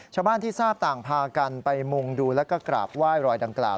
ชาวบ้านที่ทราบต่างพากันไปมุงดูแล้วก็กราบไหว้รอยดังกล่าว